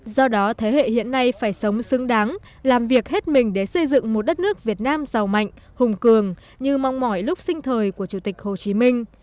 do đó thế hệ hiện nay phải sống xứng đáng làm việc hết mình để xây dựng một đất nước việt nam giàu mạnh hùng cường như mong mỏi lúc sinh thời của chủ tịch hồ chí minh